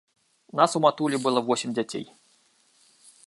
Нас у матулі было восем дзяцей.